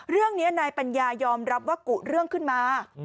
เรื่องนี้นายปัญญายอมรับว่ากุเรื่องขึ้นมา